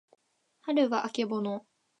はるはあけぼの